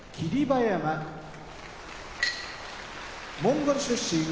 馬山モンゴル出身